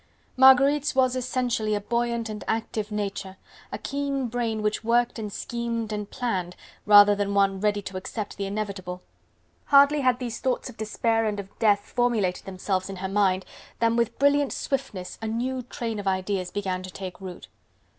Marguerite's was essentially a buoyant and active nature, a keen brain which worked and schemed and planned, rather than one ready to accept the inevitable. Hardly had these thoughts of despair and of death formulated themselves in her mind, than with brilliant swiftness, a new train of ideas began to take root.